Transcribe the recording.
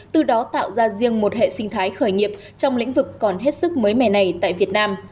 từ đó tạo ra riêng một hệ sinh thái khởi nghiệp trong lĩnh vực còn hết sức mới mẻ này tại việt nam